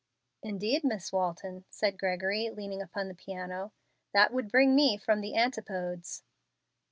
"Indeed, Miss Walton," said Gregory, leaning upon the piano, "that would bring me from the antipodes."